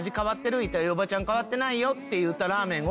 言うたら「おばちゃん変わってないよ」って言うたラーメンを。